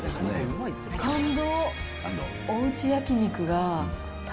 感動。